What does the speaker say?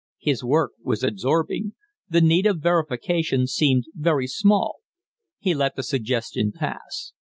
His work was absorbing; the need of verification seemed very small. He let the suggestion pass.